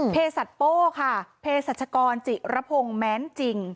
เพศัตริย์โป้ค่ะเพศัตริย์ชะกรจิระพงแม้นจิ่ง